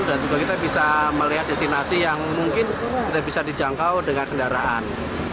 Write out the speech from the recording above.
dan juga kita bisa melihat destinasi yang mungkin kita bisa dijangkau dengan kendaraan